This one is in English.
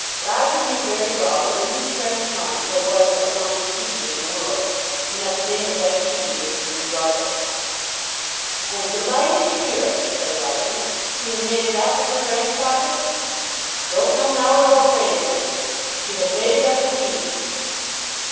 Roger knew very well that in his friend's mind there was but one "she" in the world, and that the name of that she was Ruby Ruggles. [Illustration: "She's a coomin; she's a coomin."] "I am delighted to hear it," said Roger. "She has made it up with her grandfather?" "Don't know now't about grandfeyther. She have made it up wi' me.